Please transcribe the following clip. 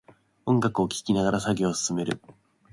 音楽を聴きながら作業を進める